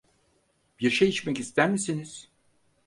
Bir şey içmek ister misiniz?